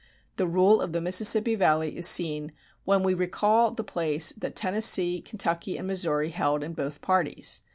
The rule of the Mississippi Valley is seen when we recall the place that Tennessee, Kentucky, and Missouri held in both parties.